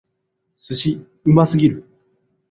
寿司！うますぎる！